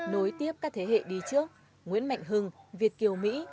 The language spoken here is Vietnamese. nối tiếp các thế hệ đi trước nguyễn mạnh hưng việt kiều mỹ